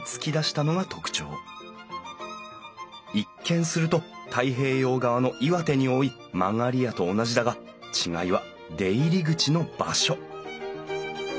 一見すると太平洋側の岩手に多い曲り家と同じだが違いは出入り口の場所。